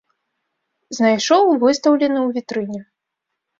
Знайшоў выстаўлены ў вітрыне.